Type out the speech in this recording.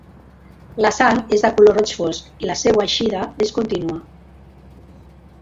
La sang és de color roig fosc i la seua eixida és contínua.